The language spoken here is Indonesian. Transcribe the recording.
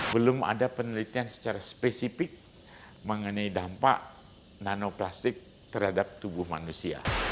belum ada penelitian secara spesifik mengenai dampak nanoplastik terhadap tubuh manusia